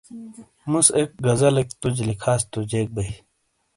مس اک غزلیک تُج لکھاس تو جیک بئیی۔